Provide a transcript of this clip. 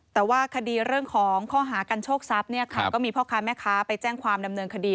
แต่ว่าคดีเรื่องของข้อหากันโชคทรัพย์เนี่ยค่ะก็มีพ่อค้าแม่ค้าไปแจ้งความดำเนินคดี